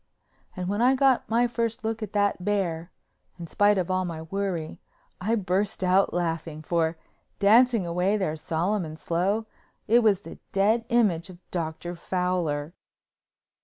And when I got my first look at that bear, in spite of all my worry I burst out laughing, for, dancing away there solemn and slow, it was the dead image of Dr. Fowler.